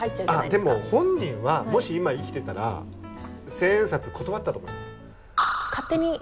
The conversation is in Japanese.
でも本人はもし今生きてたら千円札断ったと思います。